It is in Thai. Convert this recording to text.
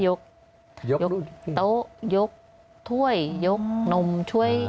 ยกโต๊ะยกถ้วยยกนมช่วย